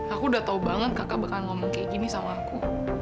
aku sudah tahu banget kakak bakalan ngomong seperti ini sama aku